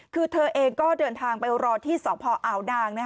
คือเธอเองก็เดินทางไปรอที่สพอาวนาง